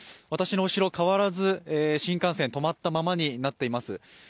私の後ろ、変わらず新幹線止まったままになっています。